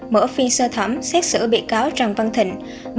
mở phiên sơ thẩm xét xử bị cáo trần văn thịnh